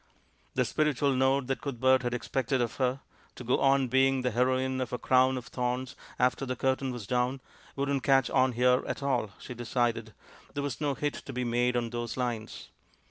The spiritual note that Cuthbert had expected of her — to go on being the heroine of A Crown of Thorns after the curtain was down — wouldn't catch on here at all, she decided ; there was no hit to be made on those lines.